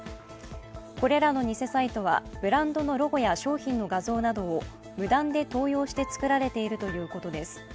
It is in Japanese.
これらの偽サイトはブランドのロゴや商品の画像などを無断で盗用して作られているということです。